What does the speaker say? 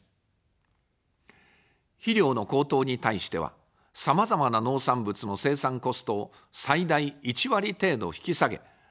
肥料の高騰に対しては、さまざまな農産物の生産コストを最大１割程度引き下げ、農産物の価格上昇を抑制します。